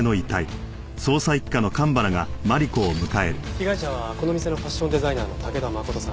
被害者はこの店のファッションデザイナーの武田誠さん。